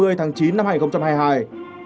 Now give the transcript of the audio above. hãy đăng ký kênh để nhận thông tin nhất